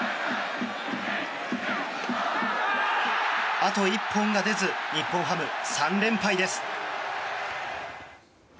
あと一本が出ず日本ハム、３連敗です。